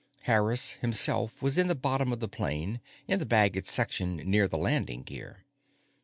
Harris himself was in the bottom of the plane, in the baggage section near the landing gear.